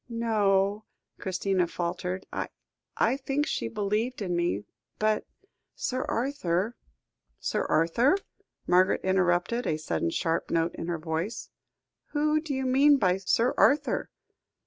"No o," Christina faltered. "I think she believed in me, but Sir Arthur " "Sir Arthur," Margaret interrupted, a sudden sharp note in her voice; "who do you mean by Sir Arthur?"